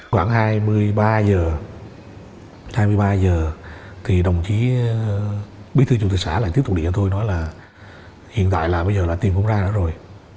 khoảng hai mươi ba h hai mươi ba h thì đồng chí bí thư chủ tịch xã lại tiếp tục điện cho tôi nói là hiện tại là bây giờ là tiền cũng ra đã rồi